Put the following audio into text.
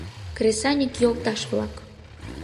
Кресаньык йолташ-влак!